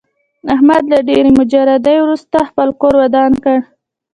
احمد له ډېرې مجردۍ ورسته خپل کور ودان کړ.